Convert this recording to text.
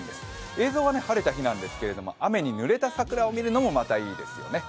映像は晴れた日なんですけど雨にぬれた桜を見るのもいいですね。